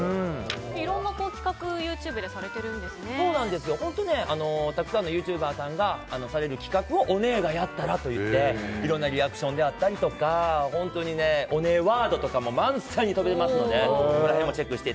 いろんな企画をＹｏｕＴｕｂｅで本当、たくさんのユーチューバーさんがされる企画をオネエがやったらといっていろんなリアクションであったりとか本当にオネエワードも満載に飛び出しますので内容もチェック